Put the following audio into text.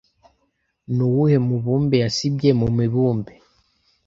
Ni uwuhe mubumbe yasibye mu mibumbe